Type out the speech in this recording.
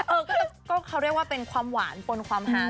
เออก็เขาเรียกว่าเป็นความหวานปนความฮา